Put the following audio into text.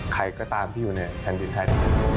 ใครก็ตามที่อยู่ในแผ่นดินไทย